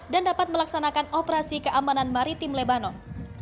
dan dapat melaksanakan operasi keamanan maritim lebanon